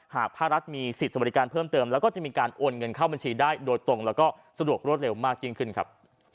หากภาครัฐมีสิทธิ์สวัสดิการเพิ่มเติมแล้วก็จะมีการโอนเงินเข้าบัญชีได้โดยตรงแล้วก็สะดวกรวดเร็วมากยิ่งขึ้นครับ